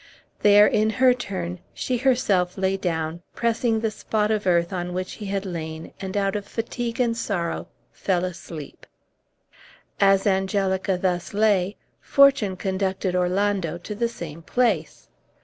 There, in her turn, she herself lay down, pressing the spot of earth on which he had lain, and, out of fatigue and sorrow, fell asleep. As Angelica thus lay, fortune conducted Orlando to the same place.